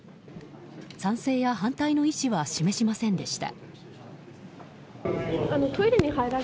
賛成や反対の意思は示しませんでした。